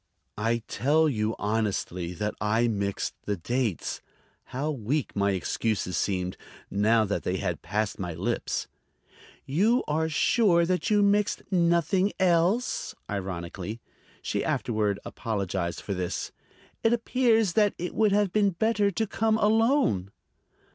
"I tell you honestly that I mixed the dates." How weak my excuses seemed, now that they had passed my lips! "You are sure that you mixed nothing else?" ironically. (She afterward apologized for this.) "It appears that it would have been better to come alone."